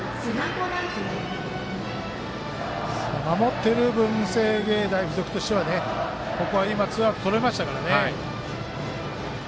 守っている文星芸大付属としてはここは今、ツーアウトとれましたからね。